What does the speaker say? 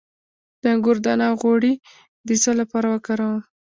د انګور دانه غوړي د څه لپاره وکاروم؟